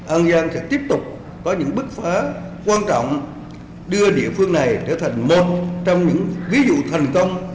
an giang sẽ tiếp tục có những bước phá quan trọng đưa địa phương này trở thành một trong những ví dụ thành công